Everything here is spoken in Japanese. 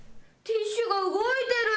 ティッシュが勝手に動いてる。